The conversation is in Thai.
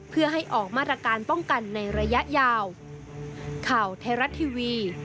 เพื่อให้ออกมาตรการป้องกันในระยะยาว